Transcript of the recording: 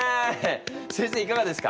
先生いかがですか？